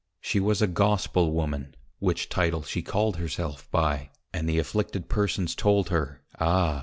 _ She was a Gospel Woman: Which Title she called her self by; and the Afflicted Persons told her, Ah!